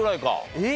えっ？